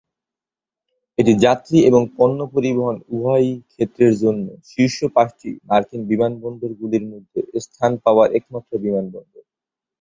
এটি যাত্রী এবং পণ্য পরিবহন উভয়ই ক্ষেত্রের জন্য শীর্ষ পাঁচটি মার্কিন বিমানবন্দরগুলির মধ্যে স্থান পাওয়া একমাত্র বিমানবন্দর।